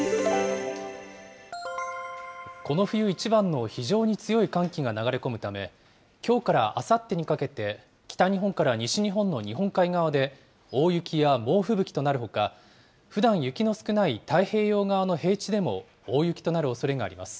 この冬一番の非常に強い寒気が流れ込むため、きょうからあさってにかけて、北日本から西日本の日本海側で大雪や猛吹雪となるほか、ふだん雪の少ない太平洋側の平地でも大雪となるおそれがあります。